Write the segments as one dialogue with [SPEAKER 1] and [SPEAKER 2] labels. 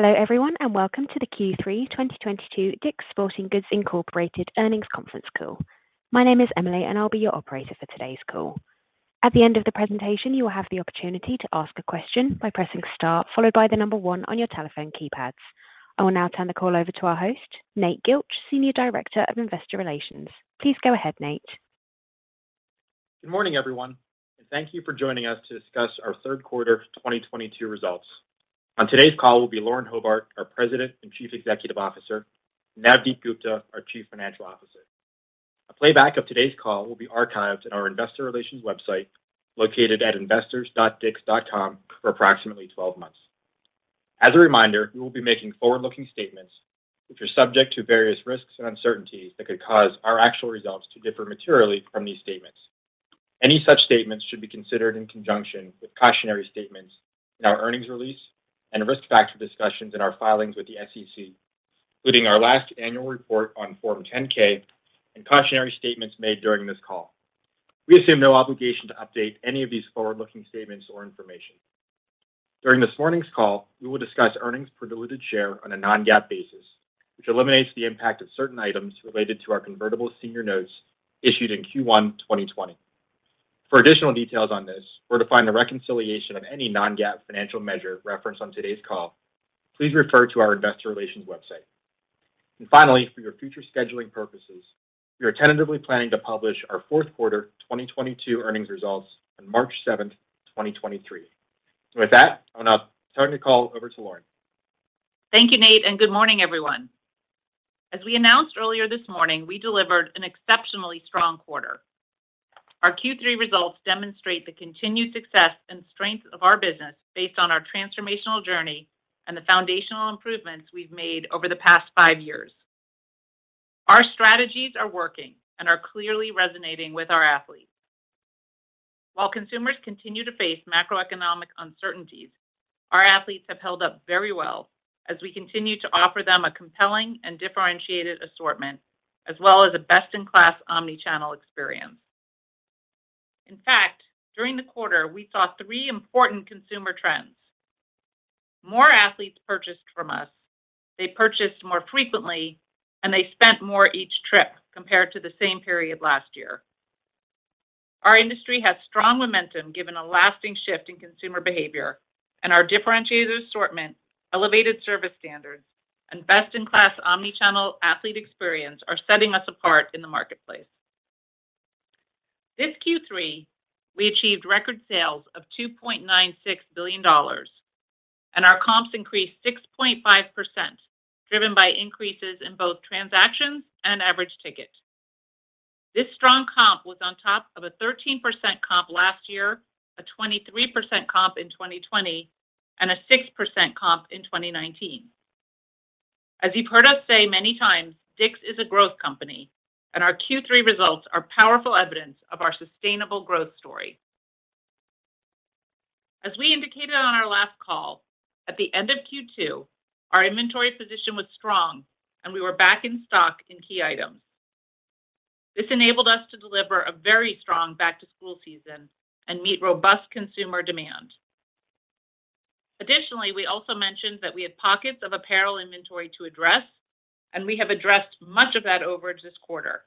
[SPEAKER 1] Hello, everyone, welcome to the Q3 2022 DICK'S Sporting Goods, Inc. Earnings Conference Call. My name is Emily, I'll be your operator for today's call. At the end of the presentation, you will have the opportunity to ask a question by pressing star followed by the one on your telephone keypads. I will now turn the call over to our host, Nate Gilch, Senior Director of Investor Relations. Please go ahead, Nate.
[SPEAKER 2] Good morning, everyone, thank you for joining us to discuss our third quarter 2022 results. On today's call will be Lauren Hobart, our President and Chief Executive Officer, and Navdeep Gupta, our Chief Financial Officer. A playback of today's call will be archived in our investor relations website located at investors.dicks.com for approximately 12 months. As a reminder, we will be making forward-looking statements, which are subject to various risks and uncertainties that could cause our actual results to differ materially from these statements. Any such statements should be considered in conjunction with cautionary statements in our earnings release and risk factor discussions in our filings with the SEC, including our last annual report on Form 10-K and cautionary statements made during this call. We assume no obligation to update any of these forward-looking statements or information. During this morning's call, we will discuss earnings per diluted share on a non-GAAP basis, which eliminates the impact of certain items related to our convertible senior notes issued in Q1 2020. For additional details on this, or to find the reconciliation of any non-GAAP financial measure referenced on today's call, please refer to our investor relations website. Finally, for your future scheduling purposes, we are tentatively planning to publish our fourth quarter 2022 earnings results on March 7, 2023. With that, I'll now turn the call over to Lauren.
[SPEAKER 3] Thank you, Nate. Good morning, everyone. As we announced earlier this morning, we delivered an exceptionally strong quarter. Our Q3 results demonstrate the continued success and strength of our business based on our transformational journey and the foundational improvements we've made over the past five years. Our strategies are working and are clearly resonating with our athletes. While consumers continue to face macroeconomic uncertainties, our athletes have held up very well as we continue to offer them a compelling and differentiated assortment, as well as a best-in-class omni-channel experience. In fact, during the quarter, we saw three important consumer trends. More athletes purchased from us, they purchased more frequently, and they spent more each trip compared to the same period last year. Our industry has strong momentum given a lasting shift in consumer behavior and our differentiated assortment, elevated service standards, and best-in-class omni-channel athlete experience are setting us apart in the marketplace. This Q3, we achieved record sales of $2.96 billion, and our comps increased 6.5%, driven by increases in both transactions and average ticket. This strong comp was on top of a 13% comp last year, a 23% comp in 2020, and a 6% comp in 2019. As you've heard us say many times, DICK'S is a growth company, and our Q3 results are powerful evidence of our sustainable growth story. As we indicated on our last call, at the end of Q2, our inventory position was strong, and we were back in stock in key items. This enabled us to deliver a very strong back-to-school season and meet robust consumer demand. Additionally, we also mentioned that we had pockets of apparel inventory to address, and we have addressed much of that over this quarter.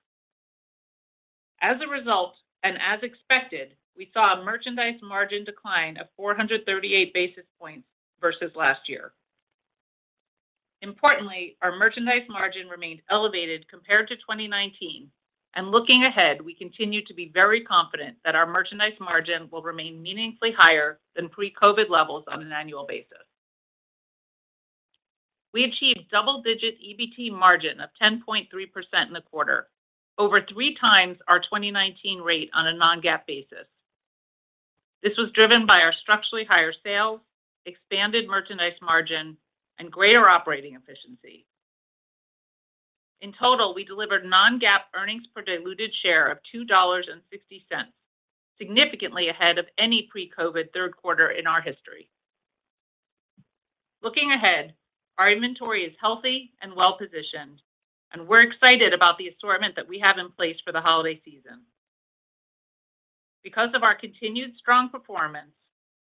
[SPEAKER 3] As a result, and as expected, we saw a merchandise margin decline of 438 basis points versus last year. Importantly, our merchandise margin remained elevated compared to 2019, and looking ahead, we continue to be very confident that our merchandise margin will remain meaningfully higher than pre-COVID levels on an annual basis. We achieved double-digit EBT margin of 10.3% in the quarter, over 3x our 2019 rate on a non-GAAP basis. This was driven by our structurally higher sales, expanded merchandise margin, and greater operating efficiency. In total, we delivered non-GAAP earnings per diluted share of $2.60, significantly ahead of any pre-COVID third quarter in our history. Looking ahead, our inventory is healthy and well-positioned, and we're excited about the assortment that we have in place for the holiday season. Because of our continued strong performance,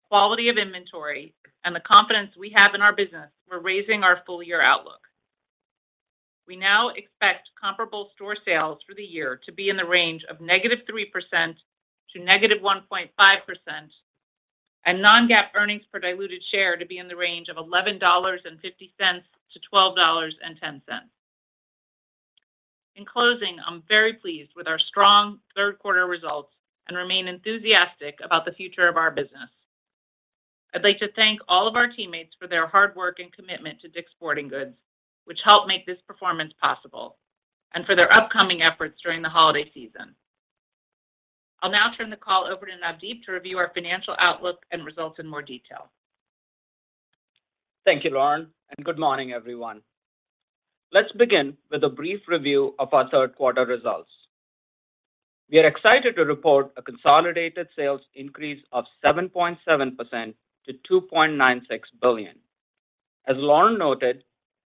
[SPEAKER 3] quality of inventory, and the confidence we have in our business, we're raising our full-year outlook. We now expect comparable store sales for the year to be in the range of -3% to -1.5% and non-GAAP earnings per diluted share to be in the range of $11.50-$12.10. In closing, I'm very pleased with our strong third quarter results and remain enthusiastic about the future of our business. I'd like to thank all of our teammates for their hard work and commitment to DICK'S Sporting Goods, which helped make this performance possible, and for their upcoming efforts during the holiday season. I'll now turn the call over to Navdeep to review our financial outlook and results in more detail.
[SPEAKER 4] Thank you, Lauren. Good morning, everyone. Let's begin with a brief review of our third quarter results. We are excited to report a consolidated sales increase of 7.7% to $2.96 billion. As Lauren noted.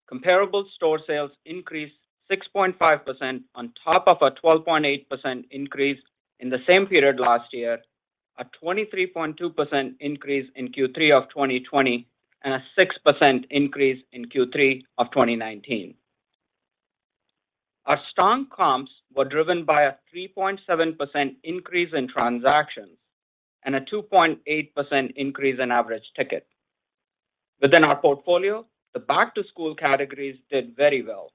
[SPEAKER 4] Comparable store sales increased 6.5% on top of a 12.8% increase in the same period last year, a 23.2% increase in Q3 of 2020, and a 6% increase in Q3 of 2019. Our strong comps were driven by a 3.7% increase in transactions and a 2.8% increase in average ticket. Within our portfolio, the back-to-school categories did very well,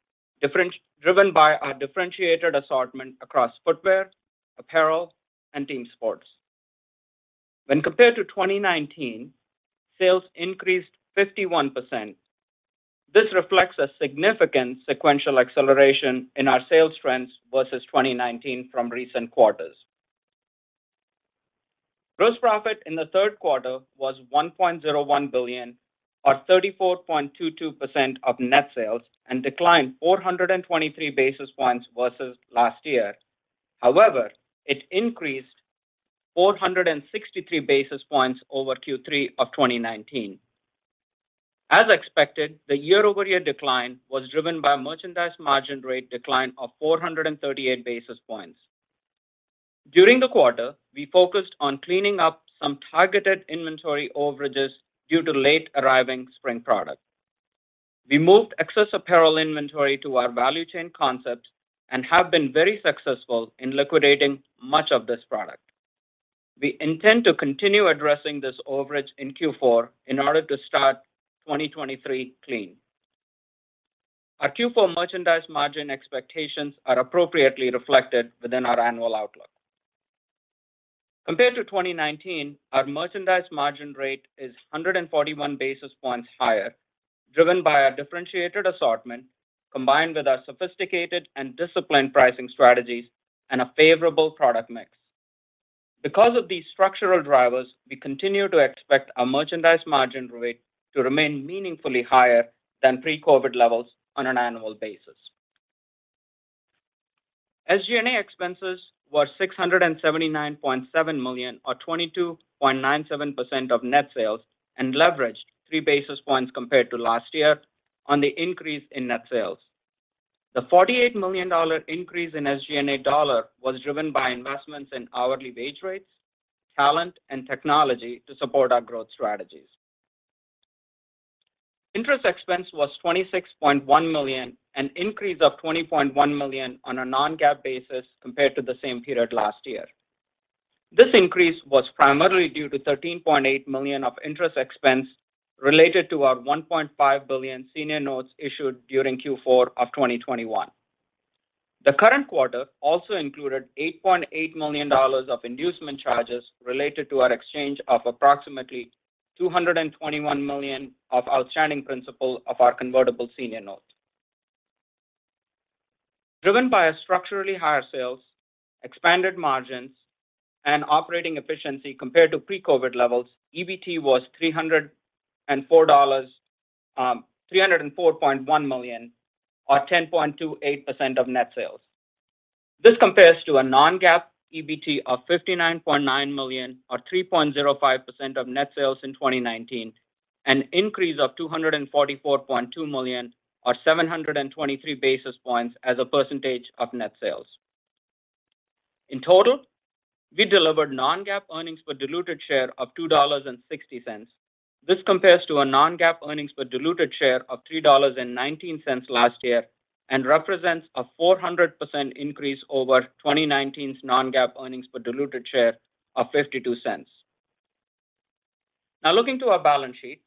[SPEAKER 4] driven by our differentiated assortment across footwear, apparel, and team sports. When compared to 2019, sales increased 51%. This reflects a significant sequential acceleration in our sales trends versus 2019 from recent quarters. Gross profit in the third quarter was $1.01 billion, or 34.22% of net sales, and declined 423 basis points versus last year. However, it increased 463 basis points over Q3 of 2019. As expected, the year-over-year decline was driven by a merchandise margin rate decline of 438 basis points. During the quarter, we focused on cleaning up some targeted inventory overages due to late arriving spring product. We moved excess apparel inventory to our value chain concepts and have been very successful in liquidating much of this product. We intend to continue addressing this overage in Q4 in order to start 2023 clean. Our Q4 merchandise margin expectations are appropriately reflected within our annual outlook. Compared to 2019, our merchandise margin rate is 141 basis points higher, driven by our differentiated assortment, combined with our sophisticated and disciplined pricing strategies and a favorable product mix. Because of these structural drivers, we continue to expect our merchandise margin rate to remain meaningfully higher than pre-COVID levels on an annual basis. SG&A expenses were $679.7 million or 22.97% of net sales and leveraged 3 basis points compared to last year on the increase in net sales. The $48 million increase in SG&A dollar was driven by investments in hourly wage rates, talent, and technology to support our growth strategies. Interest expense was $26.1 million, an increase of $20.1 million on a non-GAAP basis compared to the same period last year. This increase was primarily due to $13.8 million of interest expense related to our $1.5 billion senior notes issued during Q4 of 2021. The current quarter also included $8.8 million of inducement charges related to our exchange of approximately $221 million of outstanding principal of our convertible senior notes. Driven by a structurally higher sales, expanded margins, and operating efficiency compared to pre-COVID levels, EBT was $304.1 million or 10.28% of net sales. This compares to a non-GAAP EBT of $59.9 million or 3.05% of net sales in 2019, an increase of $244.2 million or 723 basis points as a percentage of net sales. In total, we delivered non-GAAP earnings per diluted share of $2.60. This compares to a non-GAAP earnings per diluted share of $3.19 last year and represents a 400% increase over 2019's non-GAAP earnings per diluted share of $0.52. Looking to our balance sheet,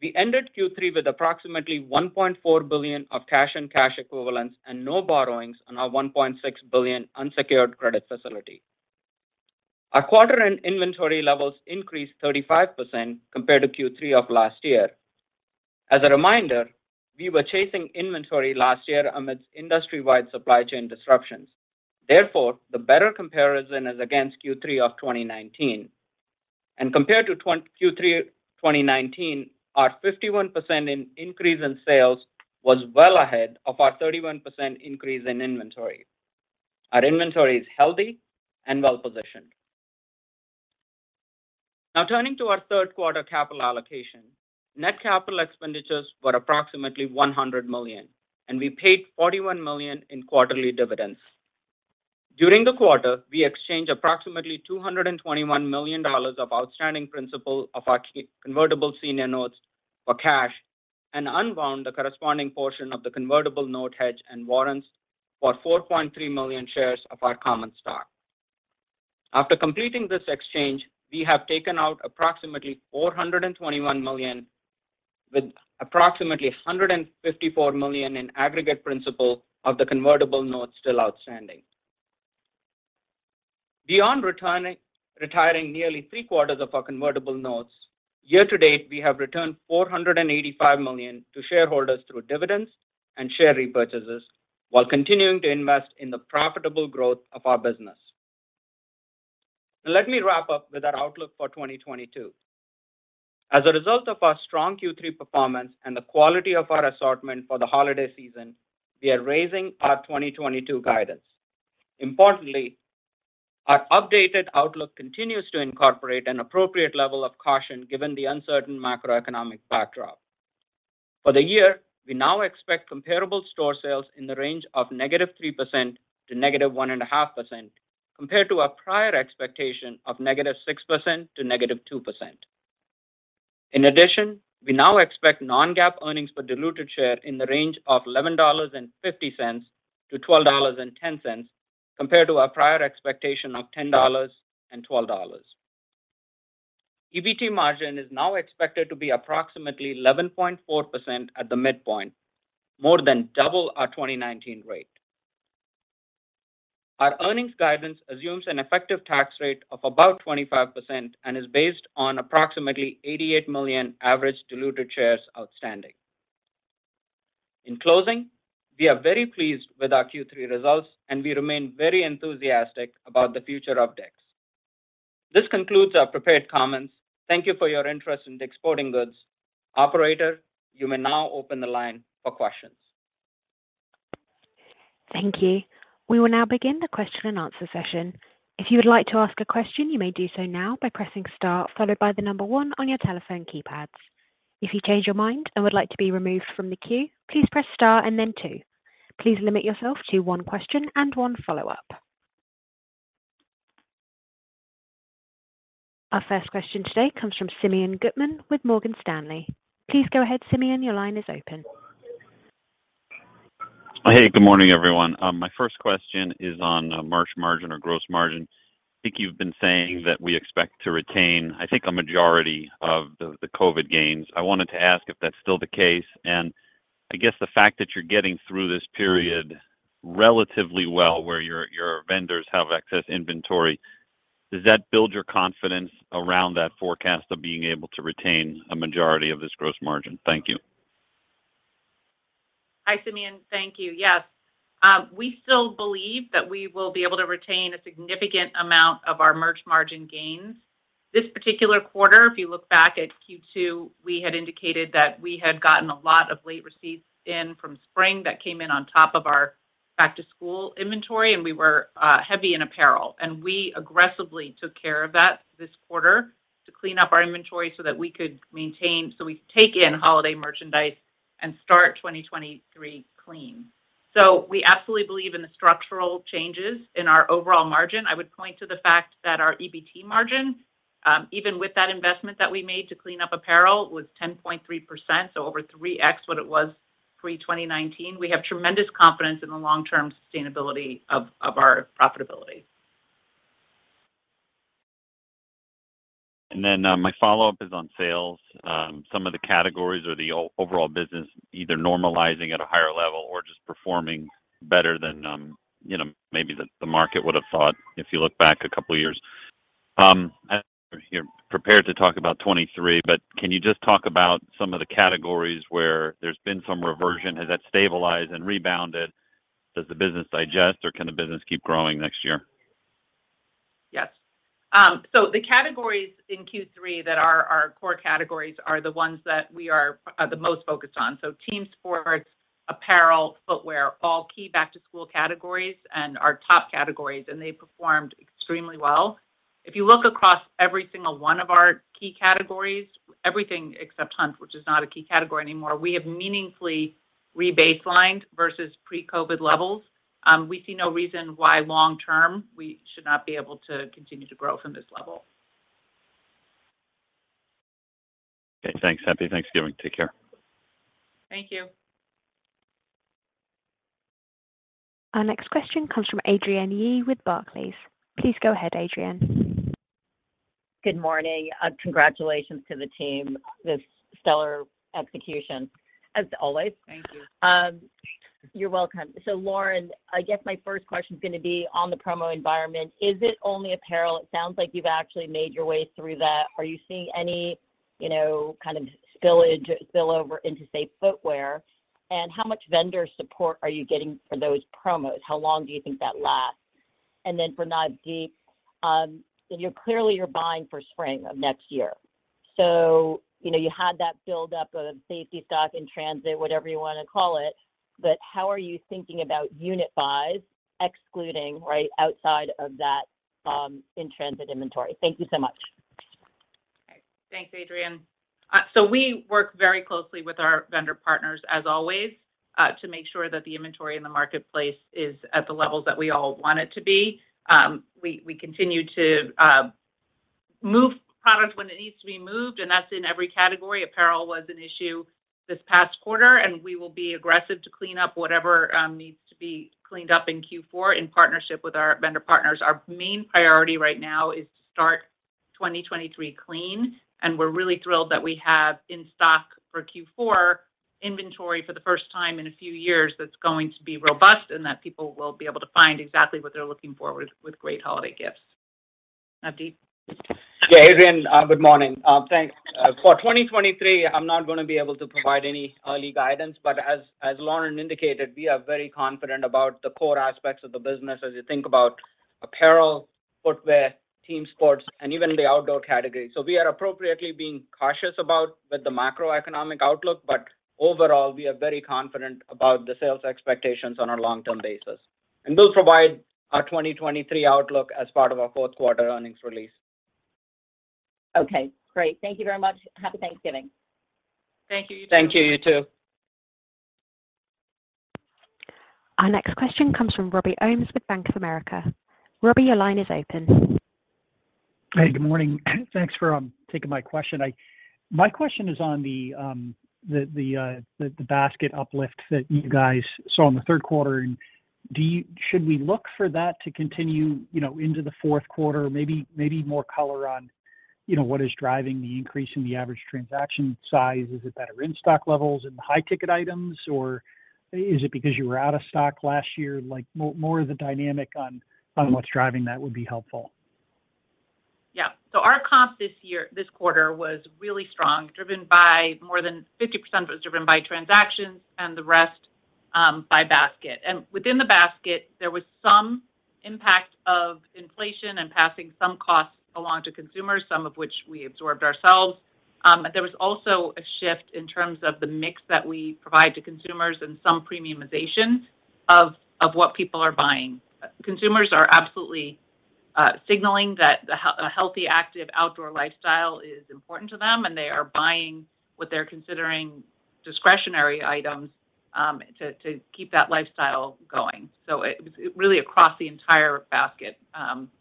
[SPEAKER 4] we ended Q3 with approximately $1.4 billion of cash and cash equivalents and no borrowings on our $1.6 billion unsecured credit facility. Our quarter-end inventory levels increased 35% compared to Q3 of last year. As a reminder, we were chasing inventory last year amidst industry-wide supply chain disruptions. Therefore, the better comparison is against Q3 of 2019. Compared to Q3 2019, our 51% increase in sales was well ahead of our 31% increase in inventory. Our inventory is healthy and well-positioned. Turning to our third quarter capital allocation, net capital expenditures were approximately $100 million, and we paid $41 million in quarterly dividends. During the quarter, we exchanged approximately $221 million of outstanding principal of our convertible senior notes for cash and unwound the corresponding portion of the convertible note hedge and warrants for 4.3 million shares of our common stock. After completing this exchange, we have taken out approximately $421 million with approximately $154 million in aggregate principal of the convertible notes still outstanding. Beyond retiring nearly three-quarters of our convertible notes, year-to-date, we have returned $485 million to shareholders through dividends and share repurchases while continuing to invest in the profitable growth of our business. Let me wrap up with our outlook for 2022. As a result of our strong Q3 performance and the quality of our assortment for the holiday season, we are raising our 2022 guidance. Our updated outlook continues to incorporate an appropriate level of caution given the uncertain macroeconomic backdrop. For the year, we now expect comparable store sales in the range of -3% to -1.5%, compared to our prior expectation of -6% to -2%. We now expect non-GAAP earnings per diluted share in the range of $11.50-$12.10, compared to our prior expectation of $10.00-$12.00. EBT margin is now expected to be approximately 11.4% at the midpoint, more than double our 2019 rate. Our earnings guidance assumes an effective tax rate of about 25% and is based on approximately 88 million average diluted shares outstanding. In closing, we are very pleased with our Q3 results, and we remain very enthusiastic about the future of DICK'S. This concludes our prepared comments. Thank you for your interest in DICK'S Sporting Goods. Operator, you may now open the line for questions.
[SPEAKER 1] Thank you. We will now begin the question and answer session. If you would like to ask a question, you may do so now by pressing star followed by one on your telephone keypads. If you change your mind and would like to be removed from the queue, please press star and then two. Please limit yourself to one question and one follow-up. Our first question today comes from Simeon Gutman with Morgan Stanley. Please go ahead, Simeon. Your line is open.
[SPEAKER 5] Hey, good morning, everyone. My first question is on merch margin or gross margin. I think you've been saying that we expect to retain a majority of the COVID gains. I wanted to ask if that's still the case. I guess the fact that you're getting through this period relatively well, where your vendors have excess inventory, does that build your confidence around that forecast of being able to retain a majority of this gross margin? Thank you.
[SPEAKER 3] Hi, Simeon. Thank you. Yes. We still believe that we will be able to retain a significant amount of our merch margin gains. This particular quarter, if you look back at Q2, we had indicated that we had gotten a lot of late receipts in from spring that came in on top of our back-to-school inventory, and we were heavy in apparel. We aggressively took care of that this quarter to clean up our inventory so that we could maintain. We take in holiday merchandise and start 2023 clean. We absolutely believe in the structural changes in our overall margin. I would point to the fact that our EBT margin, even with that investment that we made to clean up apparel, was 10.3%, so over 3x what it was pre-2019. We have tremendous confidence in the long-term sustainability of our profitability.
[SPEAKER 5] My follow-up is on sales. Some of the categories or the overall business either normalizing at a higher level or just performing better than, you know, maybe the market would have thought if you look back a couple of years. I know you're prepared to talk about 2023, can you just talk about some of the categories where there's been some reversion? Has that stabilized and rebounded? Does the business digest, or can the business keep growing next year?
[SPEAKER 3] Yes. The categories in Q3 that are our core categories are the ones that we are the most focused on. Team sports, apparel, footwear, all key back-to-school categories and our top categories, and they performed extremely well. If you look across every single one of our key categories, everything except Hunt, which is not a key category anymore, we have meaningfully re-baselined versus pre-COVID levels. We see no reason why long term, we should not be able to continue to grow from this level.
[SPEAKER 5] Okay, thanks. Happy Thanksgiving. Take care.
[SPEAKER 3] Thank you.
[SPEAKER 1] Our next question comes from Adrienne Yih with Barclays. Please go ahead, Adrienne.
[SPEAKER 6] Good morning. Congratulations to the team. This stellar execution, as always.
[SPEAKER 3] Thank you.
[SPEAKER 6] You're welcome. Lauren, I guess my first question is gonna be on the promo environment. Is it only apparel? It sounds like you've actually made your way through that. Are you seeing any, you know, kind of spillage spill over into, say, footwear? How much vendor support are you getting for those promos? How long do you think that lasts? For Navdeep, you're clearly you're buying for spring of next year. You know, you had that build up of safety stock in transit, whatever you wanna call it. How are you thinking about unit buys excluding, right, outside of that, in transit inventory? Thank you so much.
[SPEAKER 3] Thanks, Adrienne. We work very closely with our vendor partners, as always, to make sure that the inventory in the marketplace is at the levels that we all want it to be. We continue to move products when it needs to be moved, that's in every category. Apparel was an issue this past quarter, we will be aggressive to clean up whatever needs to be cleaned up in Q4 in partnership with our vendor partners. Our main priority right now is to start 2023 clean, we're really thrilled that we have in stock for Q4 inventory for the first time in a few years that's going to be robust and that people will be able to find exactly what they're looking for with great holiday gifts. Navdeep.
[SPEAKER 4] Adrienne, good morning. Thanks. For 2023, I'm not gonna be able to provide any early guidance, but as Lauren indicated, we are very confident about the core aspects of the business as you think about apparel, footwear, team sports, and even the outdoor category. We are appropriately being cautious about with the macroeconomic outlook, but overall, we are very confident about the sales expectations on a long-term basis. We'll provide our 2023 outlook as part of our fourth quarter earnings release.
[SPEAKER 6] Okay, great. Thank you very much. Happy Thanksgiving.
[SPEAKER 3] Thank you too.
[SPEAKER 4] Thank you too.
[SPEAKER 1] Our next question comes from Robby Ohmes with Bank of America. Robby, your line is open.
[SPEAKER 7] Hey, good morning. Thanks for taking my question. My question is on the basket uplift that you guys saw in the third quarter. Should we look for that to continue, you know, into the fourth quarter? Maybe more color on, you know, what is driving the increase in the average transaction size. Is it better in-stock levels in the high-ticket items, or is it because you were out of stock last year? Like, more of the dynamic on what's driving that would be helpful.
[SPEAKER 3] Our comp this year, this quarter was really strong, driven by... More than 50% was driven by transactions and the rest by basket. Within the basket, there was some impact of inflation and passing some costs along to consumers, some of which we absorbed ourselves. There was also a shift in terms of the mix that we provide to consumers and some premiumization of what people are buying. Consumers are absolutely signaling that a healthy, active outdoor lifestyle is important to them, and they are buying what they're considering discretionary items to keep that lifestyle going. It... Really across the entire basket,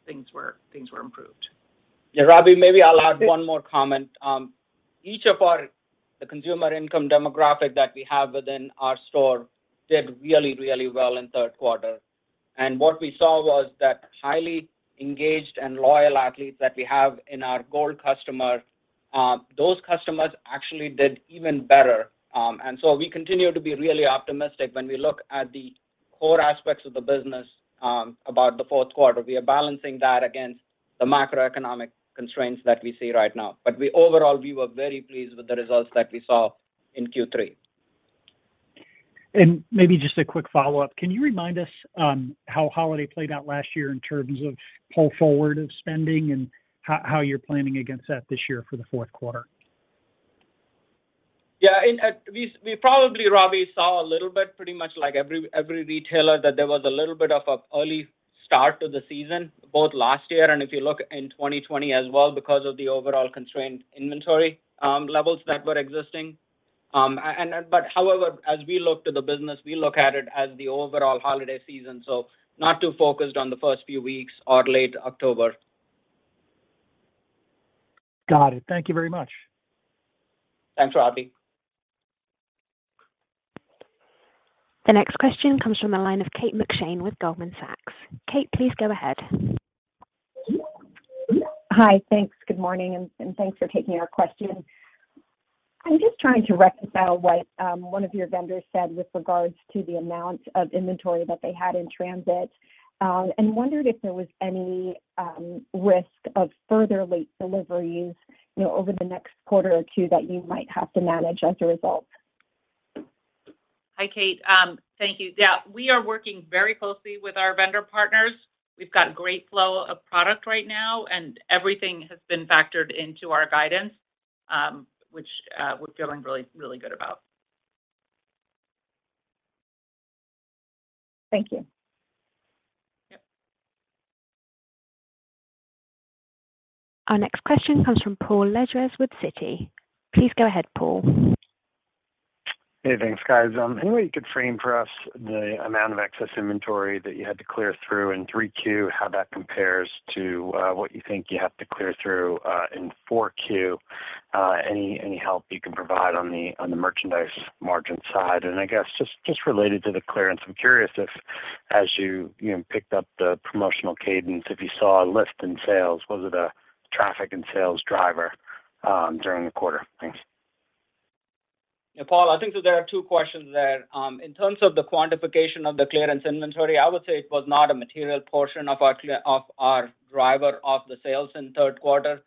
[SPEAKER 3] things were improved.
[SPEAKER 4] Yeah, Robby, maybe I'll add one more comment. The consumer income demographic that we have within our store did really, really well in third quarter. What we saw was that highly engaged and loyal athletes that we have in our ScoreCard Gold customer, those customers actually did even better. We continue to be really optimistic when we look at the core aspects of the business about the fourth quarter. We are balancing that against the macroeconomic constraints that we see right now. We overall, we were very pleased with the results that we saw in Q3.
[SPEAKER 7] Maybe just a quick follow-up. Can you remind us, how holiday played out last year in terms of pull forward of spending and how you're planning against that this year for the fourth quarter?
[SPEAKER 4] Yeah. In... We probably, Robby, saw a little bit, pretty much like every retailer, that there was a little bit of a early start to the season, both last year and if you look in 2020 as well because of the overall constrained inventory levels that were existing. However, as we look to the business, we look at it as the overall holiday season, so not too focused on the first few weeks or late October.
[SPEAKER 7] Got it. Thank you very much.
[SPEAKER 4] Thanks, Robby.
[SPEAKER 1] The next question comes from the line of Kate McShane with Goldman Sachs. Kate, please go ahead.
[SPEAKER 8] Hi. Thanks. Good morning, and thanks for taking our question. I'm just trying to reconcile what one of your vendors said with regards to the amount of inventory that they had in transit, and wondered if there was any risk of further late deliveries, you know, over the next quarter or two that you might have to manage as a result.
[SPEAKER 3] Hi, Kate. Thank you. We are working very closely with our vendor partners. We've got great flow of product right now, and everything has been factored into our guidance, which we're feeling really, really good about.
[SPEAKER 8] Thank you.
[SPEAKER 3] Yep.
[SPEAKER 1] Our next question comes from Paul Lejuez with Citi. Please go ahead, Paul.
[SPEAKER 9] Hey, thanks, guys. Any way you could frame for us the amount of excess inventory that you had to clear through in 3Q, how that compares to what you think you have to clear through in 4Q? Any help you can provide on the merchandise margin side. I guess just related to the clearance, I'm curious if, as you know, picked up the promotional cadence, if you saw a lift in sales. Was it a traffic and sales driver during the quarter? Thanks.
[SPEAKER 4] Yeah, Paul, I think that there are two questions there. In terms of the quantification of the clearance inventory, I would say it was not a material portion of our driver of the sales in third quarter.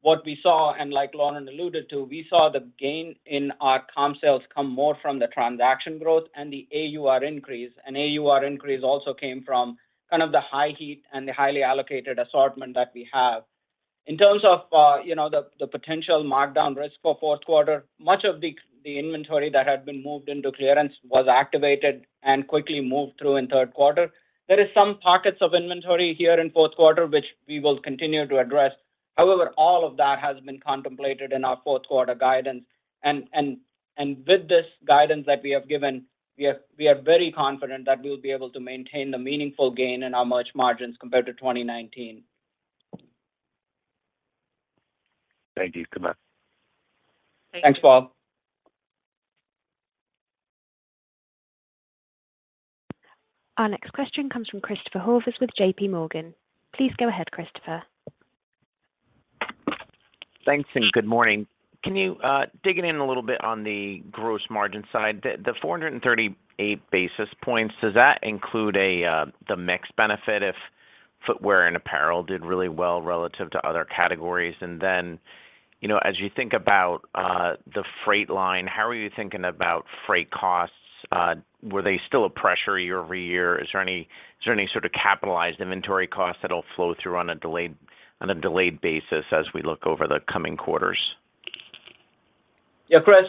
[SPEAKER 4] What we saw, and like Lauren alluded to, we saw the gain in our comp sales come more from the transaction growth and the AUR increase. AUR increase also came from kind of the high heat and the highly allocated assortment that we have. In terms of, you know, the potential markdown risk for fourth quarter, much of the inventory that had been moved into clearance was activated and quickly moved through in third quarter. There is some pockets of inventory here in fourth quarter, which we will continue to address. However, all of that has been contemplated in our fourth quarter guidance. With this guidance that we have given, we are very confident that we'll be able to maintain the meaningful gain in our merch margins compared to 2019.
[SPEAKER 9] Thank you. Good night.
[SPEAKER 3] Thank you.
[SPEAKER 4] Thanks, Paul.
[SPEAKER 1] Our next question comes from Christopher Horvers with JP Morgan. Please go ahead, Christopher.
[SPEAKER 10] Thanks. Good morning. Can you digging in a little bit on the gross margin side? The 438 basis points, does that include the mix benefit if footwear and apparel did really well relative to other categories? You know, as you think about the freight line, how are you thinking about freight costs? Were they still a pressure year-over-year? Is there any sort of capitalized inventory cost that'll flow through on a delayed basis as we look over the coming quarters?
[SPEAKER 4] Yeah, Chris,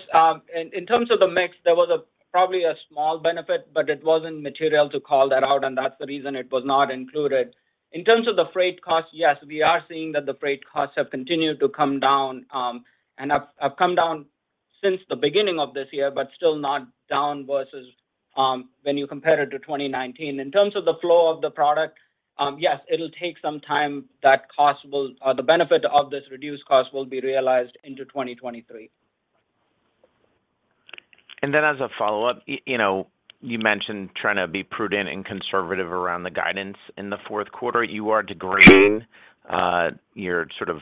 [SPEAKER 4] in terms of the mix, there was a probably a small benefit, but it wasn't material to call that out, and that's the reason it was not included. In terms of the freight costs, yes, we are seeing that the freight costs have continued to come down, and have come down since the beginning of this year, but still not down versus when you compare it to 2019. In terms of the flow of the product, yes, it'll take some time. Or the benefit of this reduced cost will be realized into 2023.
[SPEAKER 10] As a follow-up, you know, you mentioned trying to be prudent and conservative around the guidance in the fourth quarter. You are degraining your sort of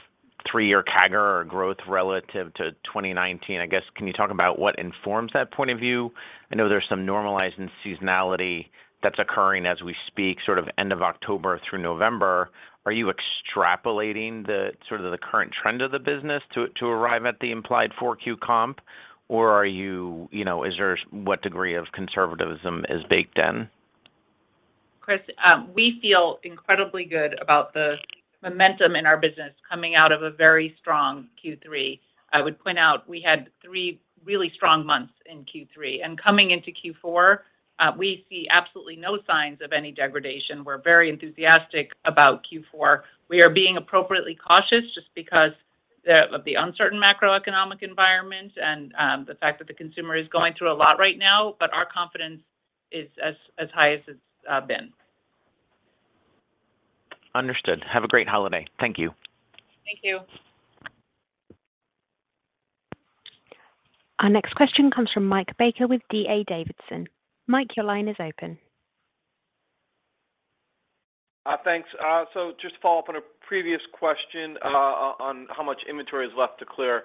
[SPEAKER 10] three-year CAGR or growth relative to 2019. I guess, can you talk about what informs that point of view? I know there's some normalizing seasonality that's occurring as we speak, sort of end of October through November. Are you extrapolating the sort of the current trend of the business to arrive at the implied Q4 comp? Or are you know, what degree of conservatism is baked in?
[SPEAKER 3] Chris, we feel incredibly good about the momentum in our business coming out of a very strong Q3. I would point out we had three really strong months in Q3. Coming into Q4, we see absolutely no signs of any degradation. We're very enthusiastic about Q4. We are being appropriately cautious just because of the uncertain macroeconomic environment and the fact that the consumer is going through a lot right now, but our confidence is as high as it's been.
[SPEAKER 10] Understood. Have a great holiday. Thank you.
[SPEAKER 3] Thank you.
[SPEAKER 1] Our next question comes from Mike Baker with D.A. Davidson. Mike, your line is open.
[SPEAKER 11] Thanks. Just to follow up on a previous question, on how much inventory is left to clear.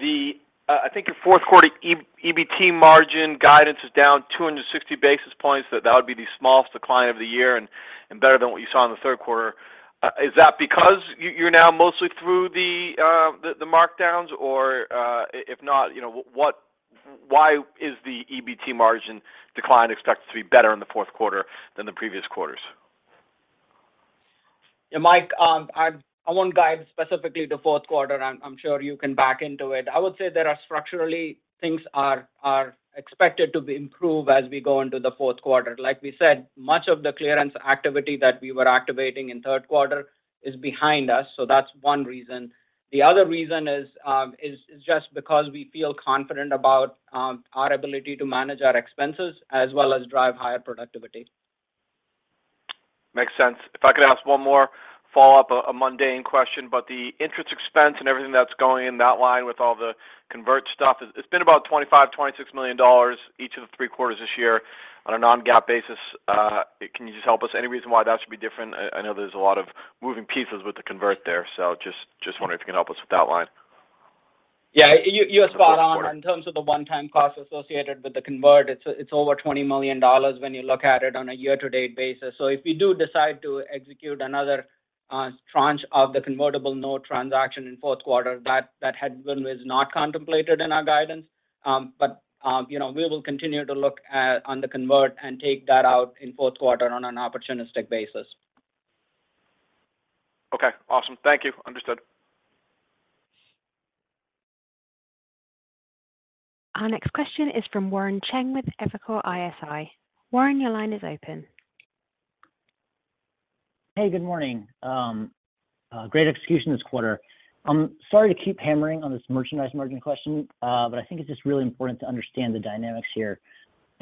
[SPEAKER 11] The, I think your fourth quarter EBT margin guidance is down 260 basis points. That would be the smallest decline of the year and better than what you saw in the third quarter. Is that because you're now mostly through the markdowns? Or, if not, you know, what, why is the EBT margin decline expected to be better in the fourth quarter than the previous quarters?
[SPEAKER 4] Yeah, Mike, I won't guide specifically to fourth quarter. I'm sure you can back into it. I would say there are structurally things are expected to be improved as we go into the fourth quarter. Like we said, much of the clearance activity that we were activating in third quarter is behind us, so that's one reason. The other reason is just because we feel confident about our ability to manage our expenses as well as drive higher productivity.
[SPEAKER 11] Makes sense. If I could ask one more follow-up, a mundane question, but the interest expense and everything that's going in that line with all the convert stuff, it's been about $25 million-$26 million each of the three quarters this year on a non-GAAP basis. Can you just help us, any reason why that should be different? I know there's a lot of moving pieces with the convert there, so just wondering if you can help us with that line.
[SPEAKER 4] Yeah. You are spot on in terms of the one-time cost associated with the convert. It's over $20 million when you look at it on a year-to-date basis. If we do decide to execute another tranche of the convertible note transaction in fourth quarter, that was not contemplated in our guidance. you know, we will continue to look at on the convert and take that out in fourth quarter on an opportunistic basis.
[SPEAKER 11] Okay, awesome. Thank you. Understood.
[SPEAKER 1] Our next question is from Warren Cheng with Evercore ISI. Warren, your line is open.
[SPEAKER 12] Hey, good morning. Great execution this quarter. I'm sorry to keep hammering on this merchandise margin question, but I think it's just really important to understand the dynamics here.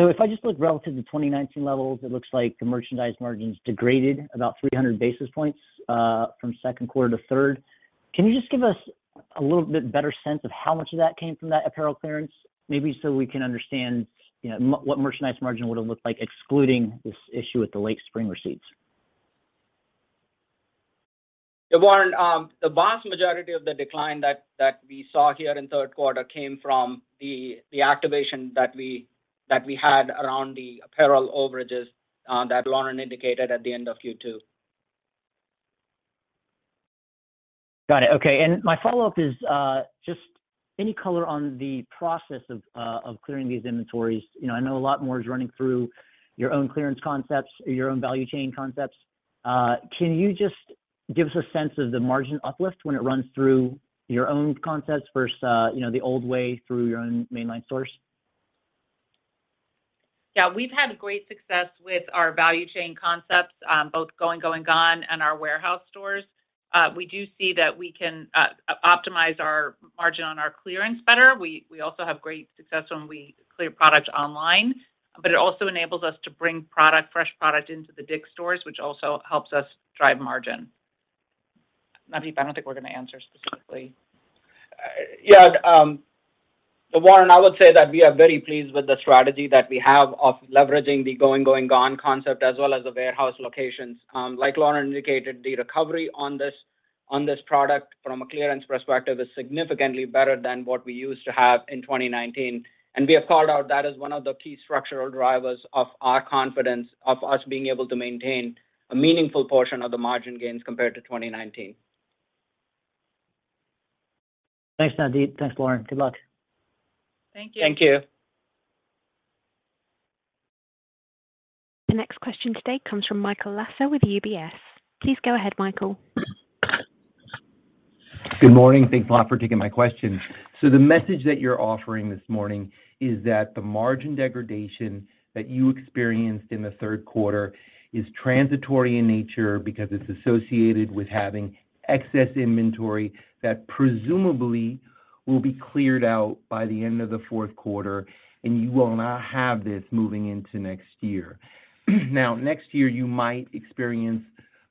[SPEAKER 12] If I just look relative to 2019 levels, it looks like the merchandise margins degraded about 300 basis points from second quarter to third. Can you just give us a little bit better sense of how much of that came from that apparel clearance? Maybe so we can understand, you know, what merchandise margin would have looked like excluding this issue with the late spring receipts.
[SPEAKER 4] Warren, the vast majority of the decline that we saw here in third quarter came from the activation that we had around the apparel overages, that Lauren indicated at the end of Q2.
[SPEAKER 12] Got it. Okay. My follow-up is, just any color on the process of clearing these inventories. You know, I know a lot more is running through your own clearance concepts or your own value chain concepts. Can you just give us a sense of the margin uplift when it runs through your own concepts versus, you know, the old way through your own mainline source?
[SPEAKER 3] Yeah. We've had great success with our value chain concepts, both Going, Going, Gone! and our warehouse stores. We do see that we can optimize our margin on our clearance better. We also have great success when we clear product online. It also enables us to bring product, fresh product into the DICK'S stores, which also helps us drive margin. Navdeep, I don't think we're gonna answer specifically.
[SPEAKER 4] Yeah. Warren, I would say that we are very pleased with the strategy that we have of leveraging the Going, Going, Gone! concept as well as the warehouse locations. Like Lauren indicated, the recovery on this, on this product from a clearance perspective is significantly better than what we used to have in 2019, and we have called out that as one of the key structural drivers of our confidence of us being able to maintain a meaningful portion of the margin gains compared to 2019.
[SPEAKER 12] Thanks, Navdeep. Thanks, Lauren. Good luck.
[SPEAKER 3] Thank you.
[SPEAKER 1] The next question today comes from Michael Lasser with UBS. Please go ahead, Michael.
[SPEAKER 13] Good morning. Thanks a lot for taking my question. The message that you're offering this morning is that the margin degradation that you experienced in the third quarter is transitory in nature because it's associated with having excess inventory that presumably will be cleared out by the end of the fourth quarter, and you will not have this moving into next year. Next year you might experience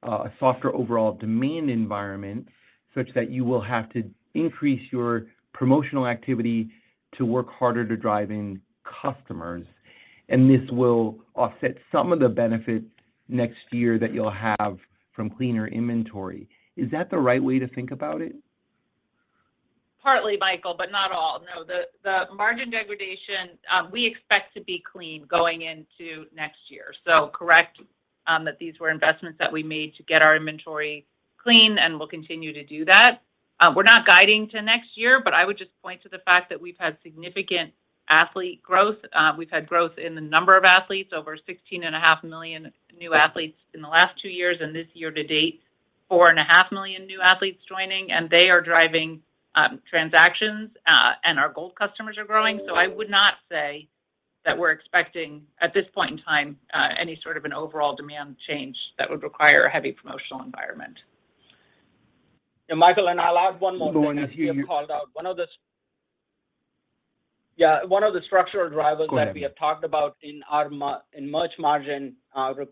[SPEAKER 13] a softer overall demand environment such that you will have to increase your promotional activity to work harder to drive in customers. This will offset some of the benefits next year that you'll have from cleaner inventory. Is that the right way to think about it?
[SPEAKER 3] Partly, Michael, but not all. No, the margin degradation, we expect to be clean going into next year. Correct, that these were investments that we made to get our inventory clean, and we'll continue to do that. We're not guiding to next year, but I would just point to the fact that we've had significant athlete growth. We've had growth in the number of athletes, over 16.5 million new athletes in the last two years, and this year-to-date, 4.5 million new athletes joining, and they are driving, transactions. Our Gold customers are growing. I would not say that we're expecting, at this point in time, any sort of an overall demand change that would require a heavy promotional environment.
[SPEAKER 4] Yeah, Michael, I'll add one more thing.
[SPEAKER 13] Go on, yeah.
[SPEAKER 4] As we have called out, one of the structural drivers-
[SPEAKER 13] Go ahead.
[SPEAKER 4] That we have talked about in our in merch margin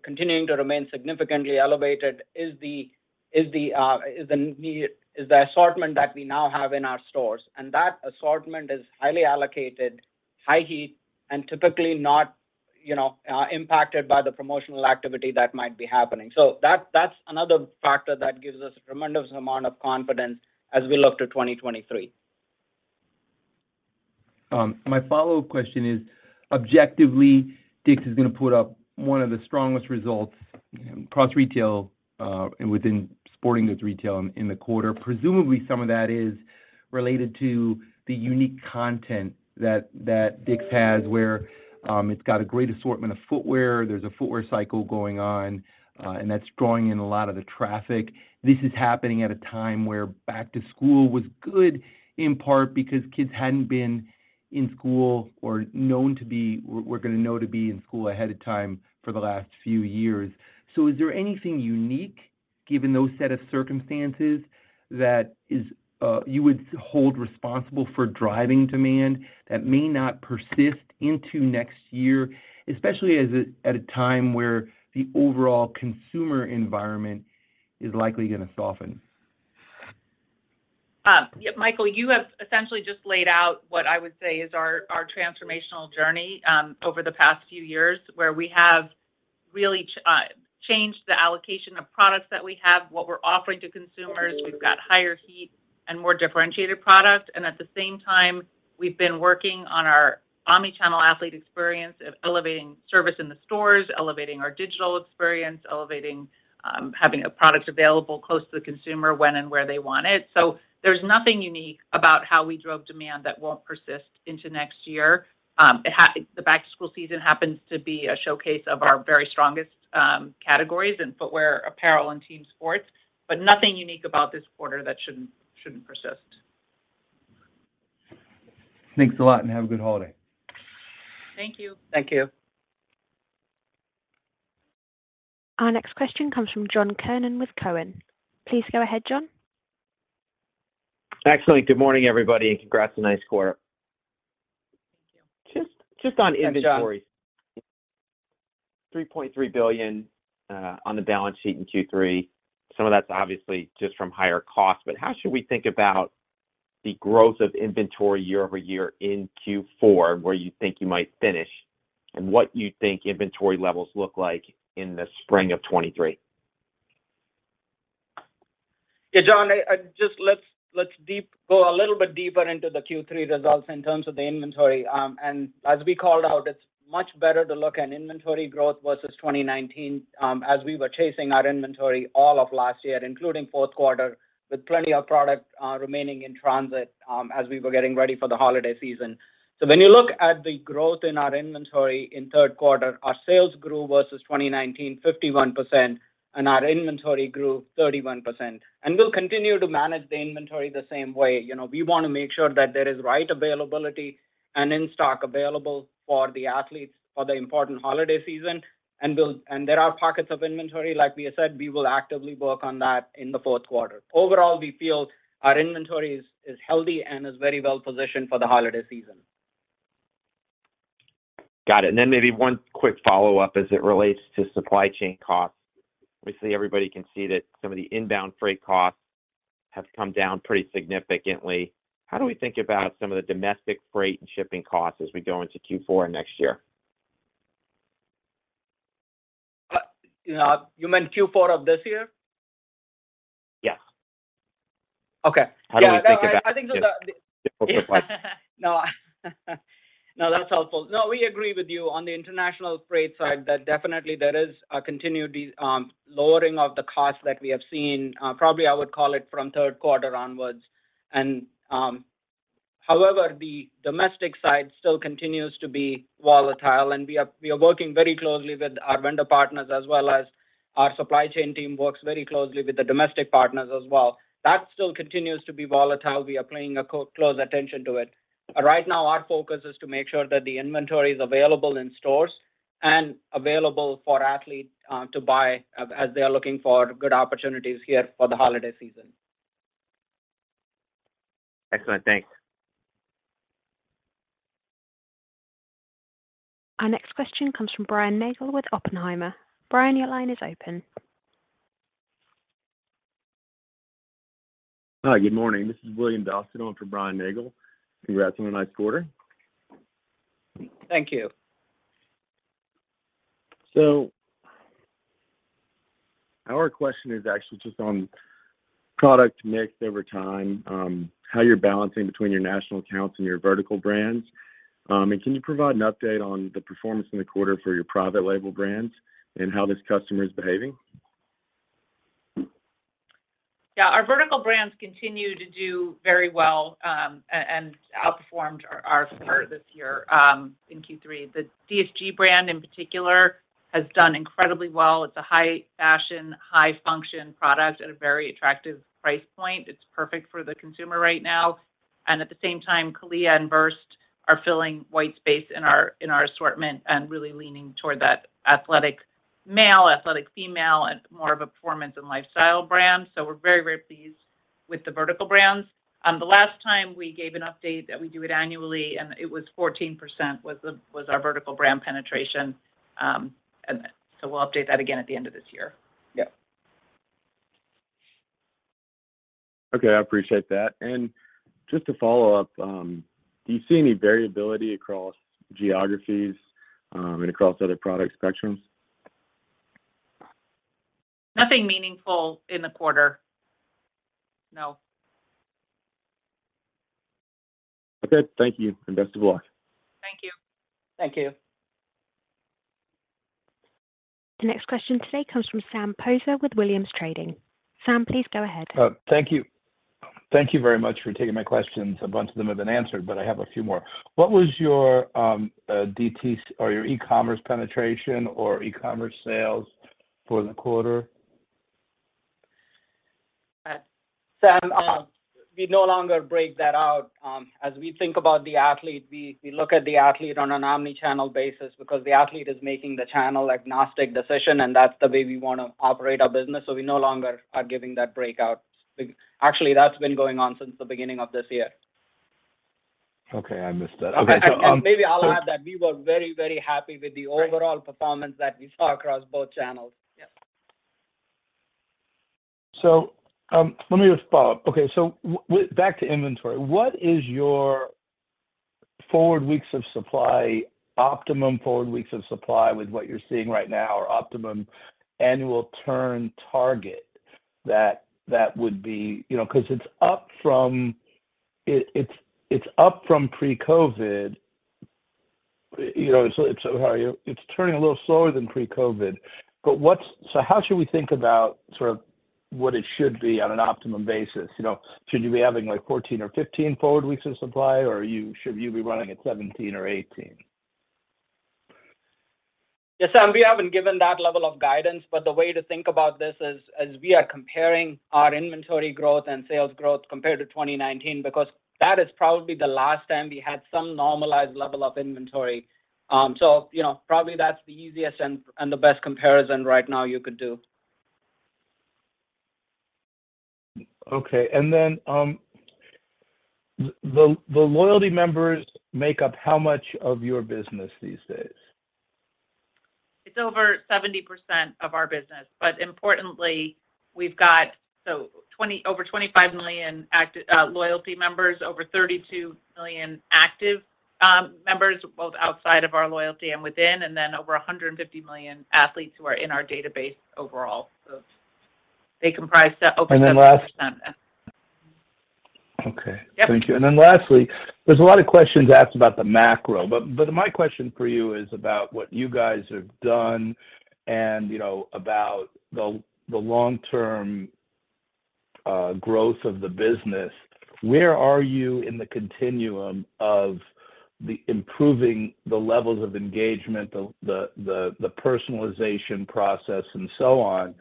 [SPEAKER 4] continuing to remain significantly elevated is the assortment that we now have in our stores. That assortment is highly allocated, high heat, and typically not, you know, impacted by the promotional activity that might be happening. That's another factor that gives us a tremendous amount of confidence as we look to 2023.
[SPEAKER 13] My follow-up question is, objectively, DICK'S is gonna put up one of the strongest results across retail and within sporting goods retail in the quarter. Presumably, some of that is related to the unique content that DICK'S has, where it's got a great assortment of footwear. There's a footwear cycle going on, and that's drawing in a lot of the traffic. This is happening at a time where back to school was good in part because kids hadn't been in school or known to be were gonna know to be in school ahead of time for the last few years. Is there anything unique, given those set of circumstances, that is, you would hold responsible for driving demand that may not persist into next year, especially at a time where the overall consumer environment is likely gonna soften?
[SPEAKER 3] Yeah, Michael, you have essentially just laid out what I would say is our transformational journey over the past few years, where we have really changed the allocation of products that we have, what we're offering to consumers. We've got higher heat and more differentiated product, and at the same time, we've been working on our omni-channel athlete experience of elevating service in the stores, elevating our digital experience, elevating, having a product available close to the consumer when and where they want it. There's nothing unique about how we drove demand that won't persist into next year. The back-to-school season happens to be a showcase of our very strongest categories in footwear, apparel, and team sports, but nothing unique about this quarter that shouldn't persist.
[SPEAKER 13] Thanks a lot, and have a good holiday.
[SPEAKER 3] Thank you.
[SPEAKER 4] Thank you.
[SPEAKER 1] Our next question comes from John Kernan with Cowen. Please go ahead, John.
[SPEAKER 14] Excellent. Good morning, everybody, and congrats on nice quarter.
[SPEAKER 3] Thank you.
[SPEAKER 14] Just on inventory.
[SPEAKER 4] Yeah, John.
[SPEAKER 14] $3.3 billion on the balance sheet in Q3. Some of that's obviously just from higher costs, but how should we think about the growth of inventory year-over-year in Q4, where you think you might finish and what you think inventory levels look like in the spring of 2023?
[SPEAKER 4] Yeah, John, let's go a little bit deeper into the Q3 results in terms of the inventory. As we called out, it's much better to look at inventory growth versus 2019, as we were chasing our inventory all of last year, including fourth quarter, with plenty of product remaining in transit, as we were getting ready for the holiday season. When you look at the growth in our inventory in third quarter, our sales grew versus 2019 51%, and our inventory grew 31%. We'll continue to manage the inventory the same way. You know, we wanna make sure that there is right availability and in stock available for the athletes for the important holiday season. There are pockets of inventory, like we said. We will actively work on that in the fourth quarter. Overall, we feel our inventory is healthy and is very well positioned for the holiday season.
[SPEAKER 14] Got it. Maybe one quick follow-up as it relates to supply chain costs. Obviously, everybody can see that some of the inbound freight costs have come down pretty significantly. How do we think about some of the domestic freight and shipping costs as we go into Q4 next year?
[SPEAKER 4] You know, you meant Q4 of this year?
[SPEAKER 14] Yes.
[SPEAKER 4] Okay. Yeah, I think so. No. No, that's helpful. No, we agree with you. On the international freight side, that definitely there is a continued lowering of the cost that we have seen, probably I would call it from third quarter onwards. However, the domestic side still continues to be volatile, and we are working very closely with our vendor partners as well as our supply chain team works very closely with the domestic partners as well. That still continues to be volatile. We are paying close attention to it. Right now, our focus is to make sure that the inventory is available in stores and available for athlete to buy as they are looking for good opportunities here for the holiday season.
[SPEAKER 14] Excellent. Thanks.
[SPEAKER 1] Our next question comes from Brian Nagel with Oppenheimer. Brian, your line is open.
[SPEAKER 15] Hi. Good morning. This is William Dawson on for Brian Nagel. Congrats on a nice quarter.
[SPEAKER 4] Thank you.
[SPEAKER 15] Our question is actually just on product mix over time, how you're balancing between your national accounts and your vertical brands. Can you provide an update on the performance in the quarter for your private label brands and how this customer is behaving?
[SPEAKER 3] Yeah. Our vertical brands continue to do very well, and outperformed our fair this year, in Q3. The DSG brand in particular has done incredibly well. It's a high fashion, high function product at a very attractive price point. It's perfect for the consumer right now. At the same time, CALIA and VRST are filling white space in our, in our assortment and really leaning toward that athletic male, athletic female, and more of a performance and lifestyle brand. We're very, very pleased with the vertical brands. The last time we gave an update that we do it annually, and it was 14% was our vertical brand penetration, and so we'll update that again at the end of this year.
[SPEAKER 4] Yep.
[SPEAKER 15] Okay. I appreciate that. Just to follow up, do you see any variability across geographies and across other product spectrums?
[SPEAKER 3] Nothing meaningful in the quarter. No.
[SPEAKER 15] Okay. Thank you, and best of luck.
[SPEAKER 3] Thank you.
[SPEAKER 4] Thank you.
[SPEAKER 1] The next question today comes from Sam Poser with Williams Trading. Sam, please go ahead.
[SPEAKER 16] Thank you. Thank you very much for taking my questions. A bunch of them have been answered, I have a few more. What was your DT or your e-commerce penetration or e-commerce sales for the quarter?
[SPEAKER 4] Sam, we no longer break that out. As we think about the athlete, we look at the athlete on an omni-channel basis because the athlete is making the channel agnostic decision, and that's the way we wanna operate our business. We no longer are giving that breakout. Actually, that's been going on since the beginning of this year.
[SPEAKER 16] Okay. I missed that. Okay.
[SPEAKER 4] Maybe I'll add that we were very, very happy with the overall performance that we saw across both channels.
[SPEAKER 3] Yeah.
[SPEAKER 16] Let me just follow-up. Okay. Back to inventory, what is your forward weeks of supply, optimum forward weeks of supply with what you're seeing right now, or optimum annual turn target that that would be...? You know, 'cause it's up from... it's up from pre-COVID. You know, How are you? It's turning a little slower than pre-COVID. How should we think about sort of what it should be on an optimum basis? You know, should you be having, like, 14 or 15 forward weeks of supply, or should you be running at 17 or 18?
[SPEAKER 4] Yeah, Sam, we haven't given that level of guidance, but the way to think about this is, we are comparing our inventory growth and sales growth compared to 2019 because that is probably the last time we had some normalized level of inventory. You know, probably that's the easiest and the best comparison right now you could do.
[SPEAKER 16] Okay. The loyalty members make up how much of your business these days?
[SPEAKER 3] It's over 70% of our business. Importantly, we've got over 25 million loyalty members, over 32 million active members both outside of our loyalty and within, and then over 150 million athletes who are in our database overall. They comprise that over 70%.
[SPEAKER 16] Last... Okay.
[SPEAKER 3] Yep.
[SPEAKER 16] Thank you. Lastly, there's a lot of questions asked about the macro. My question for you is about what you guys have done and, you know, about the long-term growth of the business. Where are you in the continuum of the improving the levels of engagement, the personalization process and so on,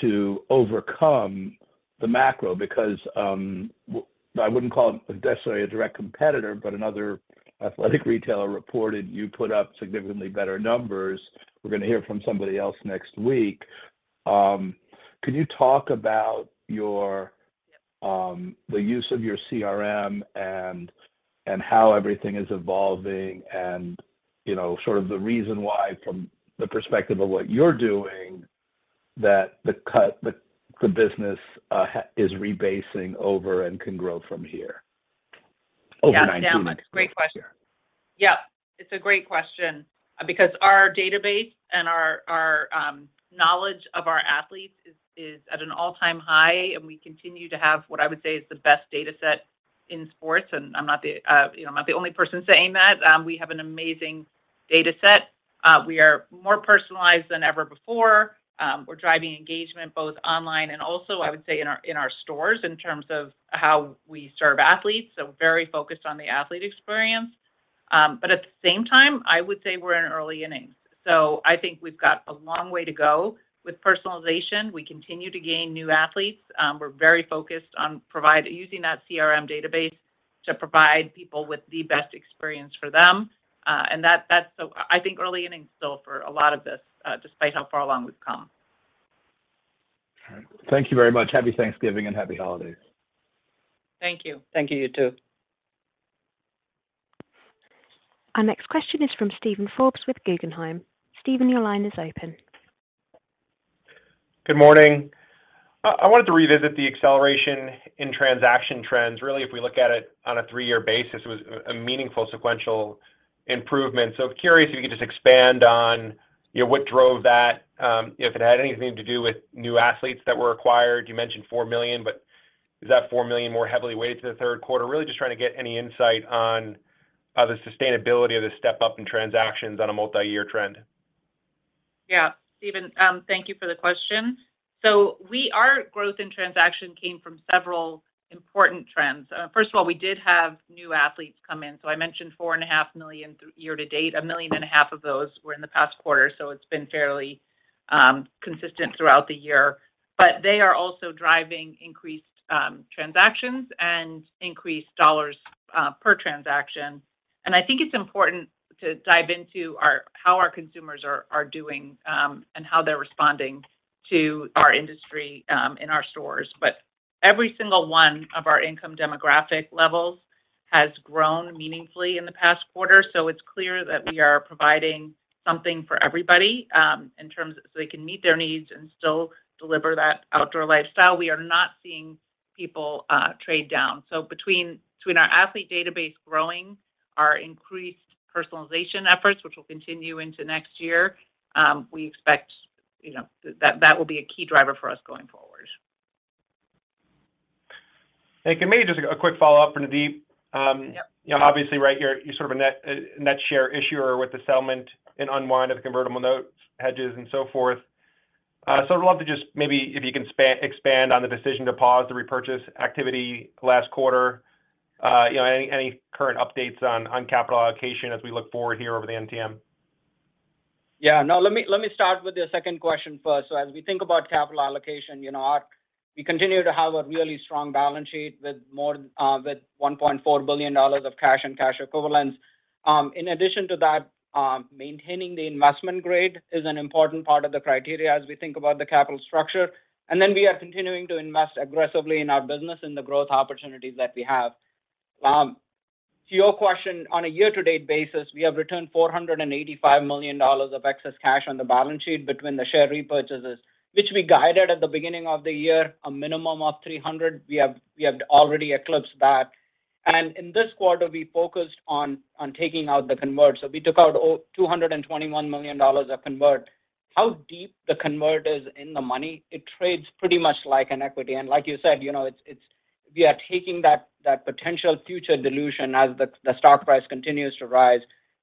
[SPEAKER 16] to overcome the macro? Because I wouldn't call it necessarily a direct competitor, but another athletic retailer reported you put up significantly better numbers. We're gonna hear from somebody else next week. Can you talk about your the use of your CRM and how everything is evolving and, you know, sort of the reason why from the perspective of what you're doing that the business is rebasing over and can grow from here, over 19-?
[SPEAKER 3] Yeah. No. Great question. Yeah. It's a great question. Our database and our knowledge of our athletes is at an all-time high, and we continue to have what I would say is the best data set in sports, and I'm not the, you know, I'm not the only person saying that. We have an amazing data set. We are more personalized than ever before. We're driving engagement both online and also, I would say, in our stores in terms of how we serve athletes, so very focused on the athlete experience. At the same time, I would say we're in early innings. I think we've got a long way to go with personalization. We continue to gain new athletes. We're very focused on using that CRM database to provide people with the best experience for them. That's so I think early innings still for a lot of this, despite how far along we've come.
[SPEAKER 16] All right. Thank you very much. Happy Thanksgiving and happy holidays.
[SPEAKER 3] Thank you. Thank you too.
[SPEAKER 1] Our next question is from Steven Forbes with Guggenheim. Steven, your line is open.
[SPEAKER 17] Good morning. I wanted to revisit the acceleration in transaction trends. Really, if we look at it on a three-year basis, it was a meaningful sequential improvement. I was curious if you could just expand on, you know, what drove that, if it had anything to do with new athletes that were acquired. You mentioned $4 million, but is that $4 million more heavily weighted to the third quarter? Really just trying to get any insight on the sustainability of the step-up in transactions on a multiyear trend.
[SPEAKER 3] Yeah. Steven, thank you for the question. Our growth in transaction came from several important trends. First of all, we did have new athletes come in. I mentioned $4.5 million year-to-date. $1.5 million of those were in the past quarter, so it's been fairly consistent throughout the year. They are also driving increased transactions and increased dollars per transaction. I think it's important to dive into how our consumers are doing and how they're responding to our industry in our stores. Every single one of our income demographic levels has grown meaningfully in the past quarter, so it's clear that we are providing something for everybody so they can meet their needs and still deliver that outdoor lifestyle. We are not seeing people trade down. Between our athlete database growing, our increased personalization efforts, which will continue into next year, we expect, you know, that will be a key driver for us going forward.
[SPEAKER 17] Maybe just a quick follow-up for Navdeep.
[SPEAKER 3] Yep.
[SPEAKER 17] You know, obviously, right, you're sort of a net share issuer with the settlement and unwind of the convertible notes, hedges, and so forth. I'd love to just maybe if you can expand on the decision to pause the repurchase activity last quarter. You know, any current updates on capital allocation as we look forward here over the NTM?
[SPEAKER 4] Let me start with your second question first. As we think about capital allocation, you know, we continue to have a really strong balance sheet with more with $1.4 billion of cash and cash equivalents. In addition to that, maintaining the investment grade is an important part of the criteria as we think about the capital structure. We are continuing to invest aggressively in our business and the growth opportunities that we have. To your question, on a year-to-date basis, we have returned $485 million of excess cash on the balance sheet between the share repurchases, which we guided at the beginning of the year, a minimum of 300. We have already eclipsed that. In this quarter, we focused on taking out the convert. We took out $221 million of convert. How deep the convert is in the money, it trades pretty much like an equity. Like you said, you know, we are taking that potential future dilution as the stock price continues to rise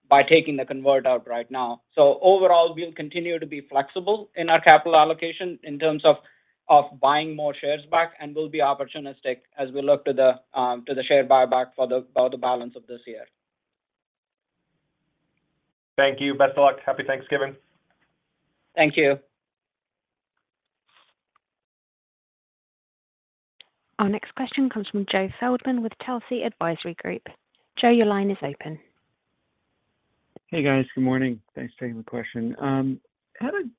[SPEAKER 4] by taking the convert out right now. Overall, we'll continue to be flexible in our capital allocation in terms of buying more shares back, and we'll be opportunistic as we look to the share buyback about the balance of this year.
[SPEAKER 17] Thank you. Best of luck. Happy Thanksgiving.
[SPEAKER 4] Thank you.
[SPEAKER 1] Our next question comes from Joe Feldman with Telsey Advisory Group. Joe, your line is open.
[SPEAKER 18] Hey, guys. Good morning. Thanks for taking the question. kind of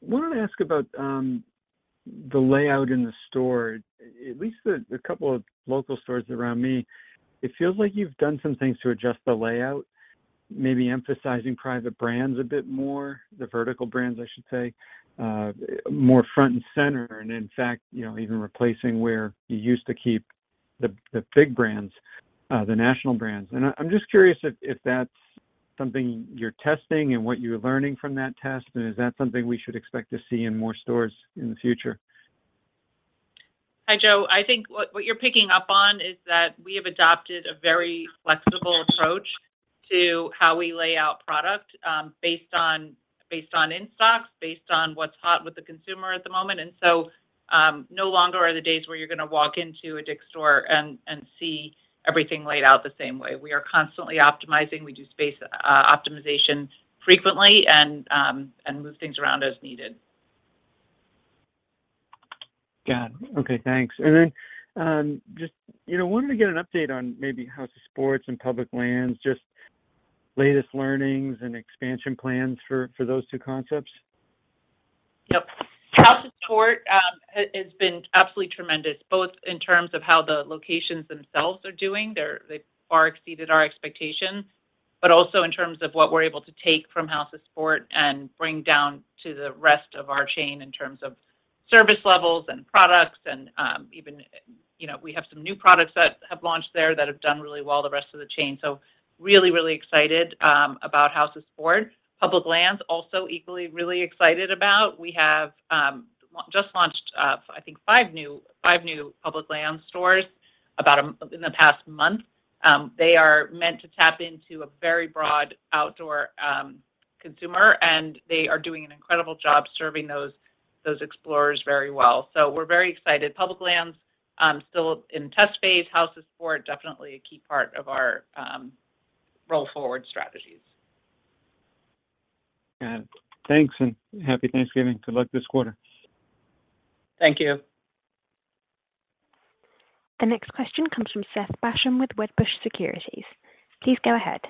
[SPEAKER 18] wanted to ask about the layout in the store. At least the couple of local stores around me, it feels like you've done some things to adjust the layout, maybe emphasizing private brands a bit more, the vertical brands, I should say, more front and center, and in fact, you know, even replacing where you used to keep the big brands, the national brands. I'm just curious if that's something you're testing and what you're learning from that test, and is that something we should expect to see in more stores in the future?
[SPEAKER 3] Hi, Joe. I think what you're picking up on is that we have adopted a very flexible approach to how we lay out product, based on in-stocks, based on what's hot with the consumer at the moment. No longer are the days where you're gonna walk into a DICK'S store and see everything laid out the same way. We are constantly optimizing. We do space optimization frequently and move things around as needed.
[SPEAKER 18] Got it. Okay, thanks. Just, you know, wanted to get an update on maybe House of Sports and Public Lands, just latest learnings and expansion plans for those two concepts.
[SPEAKER 3] Yep. House of Sport has been absolutely tremendous, both in terms of how the locations themselves are doing, they've far exceeded our expectations, also in terms of what we're able to take from House of Sport and bring down to the rest of our chain in terms of service levels and products and, even, you know, we have some new products that have launched there that have done really well the rest of the chain. Really, really excited about House of Sport. Public Lands, also equally really excited about. We have just launched, I think five new Public Land stores. In the past month. They are meant to tap into a very broad outdoor consumer, and they are doing an incredible job serving those explorers very well. We're very excited. Public Lands, still in test phase. House of Sport definitely a key part of our roll-forward strategies.
[SPEAKER 18] Got it. Thanks, and Happy Thanksgiving. Good luck this quarter.
[SPEAKER 4] Thank you.
[SPEAKER 1] The next question comes from Seth Basham with Wedbush Securities. Please go ahead.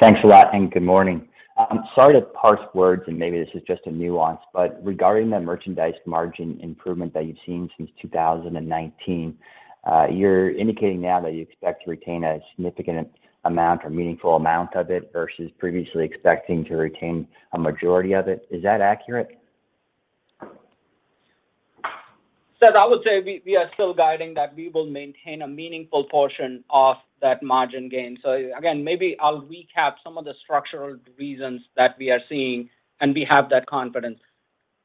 [SPEAKER 19] Thanks a lot. Good morning. I'm sorry to parse words. Maybe this is just a nuance. Regarding the merchandise margin improvement that you've seen since 2019, you're indicating now that you expect to retain a significant amount or meaningful amount of it versus previously expecting to retain a majority of it. Is that accurate?
[SPEAKER 4] Seth, I would say we are still guiding that we will maintain a meaningful portion of that margin gain. Again, maybe I'll recap some of the structural reasons that we are seeing, and we have that confidence.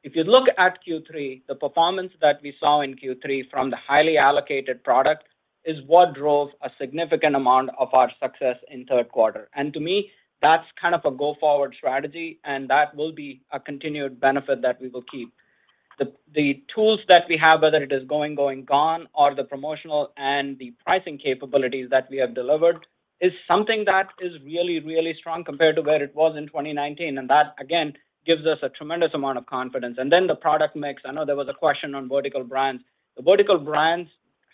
[SPEAKER 4] If you look at Q3, the performance that we saw in Q3 from the highly allocated product is what drove a significant amount of our success in third quarter. To me, that's kind of a go-forward strategy, and that will be a continued benefit that we will keep. The tools that we have, whether it is Going, Going, Gone! or the promotional and the pricing capabilities that we have delivered, is something that is really, really strong compared to where it was in 2019. That again gives us a tremendous amount of confidence. Then the product mix, I know there was a question on vertical brands. The vertical brands